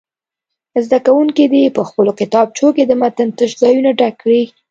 زده کوونکي دې په خپلو کتابچو کې د متن تش ځایونه ډک کړي.